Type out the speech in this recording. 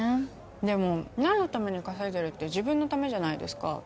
でもなんのために稼いでるって自分のためじゃないですか。